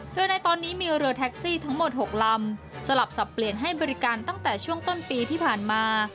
โดยในตอนนี้มีเรือแท็กซี่ทั้งหมด๖ลำสลับสับเปลี่ยนให้บริการตั้งแต่ช่วงต้นปีที่ผ่านมา